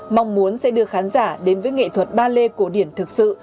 mong muốn sẽ đưa khán giả đến với nghệ thuật ballet cổ điển thực sự